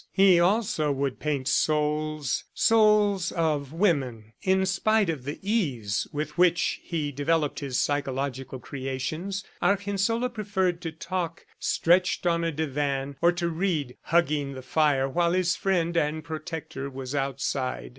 He, also, would paint souls ... souls of women. In spite of the ease with which he developed his psychological creations, Argensola preferred to talk, stretched on a divan, or to read, hugging the fire while his friend and protector was outside.